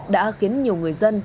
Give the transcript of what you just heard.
đã khiến nhiều người dân